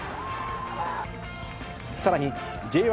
さらにＪ１